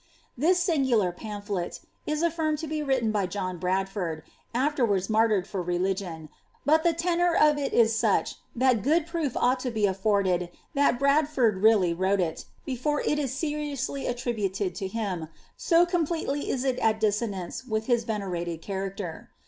This singular pamphlet' is alTirmed to be written by John Bradfordt afterwards martyred for religion, but the lenour of it is such, that good proof ought to be aHbrded that Bradford really wrote it, before it il seriously attributed to him, so completely is it at dissonance with hia venerated character.